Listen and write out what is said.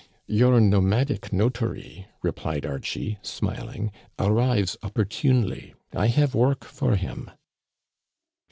"Your nomadic notary," replied Archie, smiling, "arrives opportunely. I have work for him."